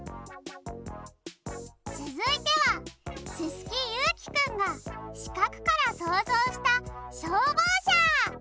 つづいてはすすきゆうきくんが「しかく」からそうぞうしたしょうぼうしゃ！